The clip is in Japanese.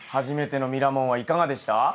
初めての『ミラモン』はいかがでした？